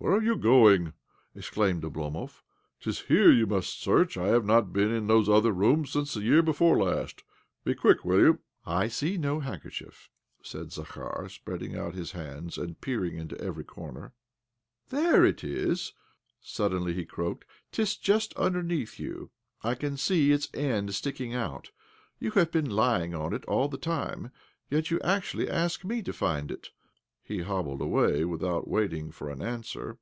"Where are you going?" exclaimed Oblomov. " 'Tis here you must search. I have not been into those other rooms since the year before last. Be quick, will you? "" I see no handkerchief," said Zakhar, spreading out his hands and peering into every corner. "There it is I " suddenly he croaked. " 'Tis just underneath you. I can see its end sticking out. You have been lying on it all the time, yet you actually ask me to find it 1 " He hobbled away with out waiting for an answer.